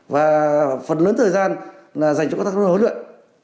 và phần lớn thời gian là dành cho các tác huấn luyện